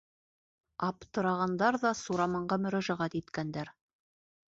Аптырағандар ҙа Сураманға мөрәжәгәт иткәндәр.